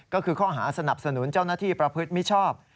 ก็คือข้อหาสนับสนุนเจ้าหน้าที่ประพฤติมิชชอบ